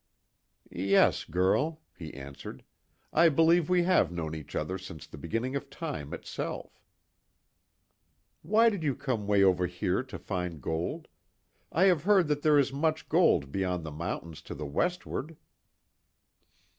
"Yes, girl," he answered, "I believe we have known each other since the beginning of time itself." "Why did you come way over here to find gold? I have heard that there is much gold beyond the mountains to the westward."